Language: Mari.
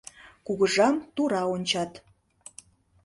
Кугыжам тура ончат.